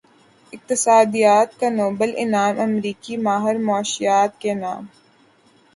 اقتصادیات کا نوبل انعام امریکی ماہر معاشیات کے نام